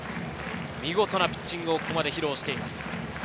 見事なピッチングを披露しています。